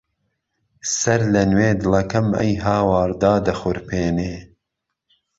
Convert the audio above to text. سەرلەنوێ دڵەکەم ئەی هاوار دادەخورپێنێ